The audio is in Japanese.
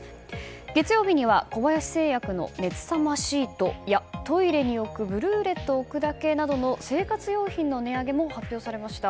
月曜日には、小林製薬の熱さまシートやトイレに置くブルーレットおくだけなどの生活用品の値上げも発表されました。